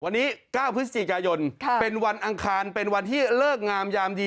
วันนี้๙พฤศจิกายนเป็นวันอังคารเป็นวันที่เลิกงามยามดี